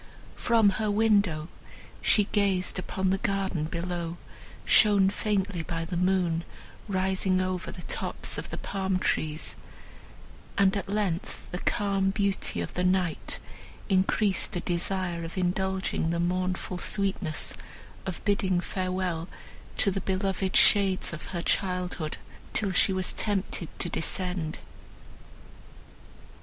From her window she gazed upon the garden below, shown faintly by the moon, rising over the tops of the palm trees, and, at length, the calm beauty of the night increased a desire of indulging the mournful sweetness of bidding farewell to the beloved shades of her childhood, till she was tempted to descend.